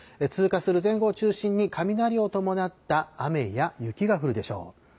通過する前後を中心に、雷を伴った雨や雪が降るでしょう。